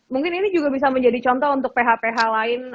mungkin ini juga bisa menjadi contoh untuk ph ph lain